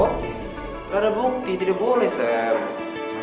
gak ada bukti tidak boleh sam